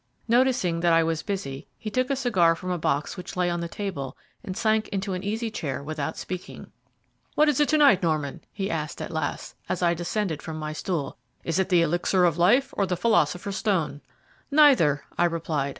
Noticing that I was busy, he took a cigar from a box which lay on the table and sank into an easy chair without speaking. "What is it to night, Norman?" he asked at last, as I descended from my stool. "Is it the Elixir of Life or the Philosopher's Stone?" "Neither," I replied.